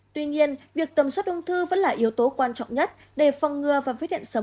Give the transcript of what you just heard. tuy nhiên việc tầm soát ung thư vẫn là yếu tố quan trọng nhất để phòng ngừa và phát hiện sớm